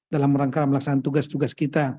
dalam rangka melaksanakan tugas tugas kita